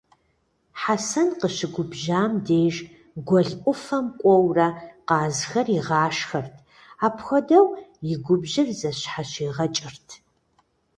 Хьэсэн къыщыгубжьам деж, гуэл ӏуфэм кӏуэурэ къазхэр игъашхэрт, апхуэдэу и губжьыр зыщхьэщигъэкӏырт.